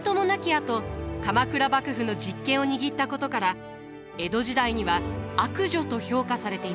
あと鎌倉幕府の実権を握ったことから江戸時代には悪女と評価されていました。